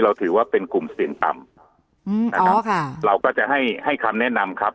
ถือว่าเป็นกลุ่มเสี่ยงต่ำเราก็จะให้ให้คำแนะนำครับ